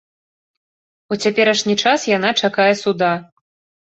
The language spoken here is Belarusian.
У цяперашні час яна чакае суда.